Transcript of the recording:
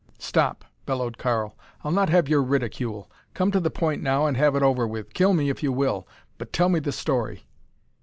"Stop!" bellowed Karl. "I'll not have your ridicule. Come to the point now and have it over with. Kill me if you will, but tell me the story!"